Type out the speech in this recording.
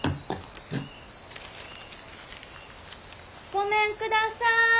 ごめんください！